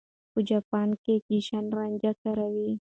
په جاپان کې ګېشا رانجه کاروي.